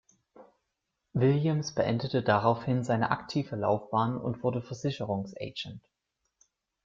Williams beendete daraufhin seine aktive Laufbahn und wurde Versicherungsagent.